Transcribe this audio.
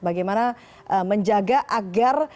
bagaimana menjaga agar